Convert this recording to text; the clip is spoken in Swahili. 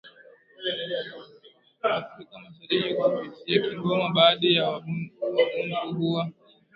Afrika mashariki kupitia Kigoma Baadhi yawabantu hawa